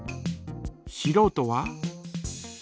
しろうとは？